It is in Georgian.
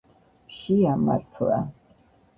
მშია მართლა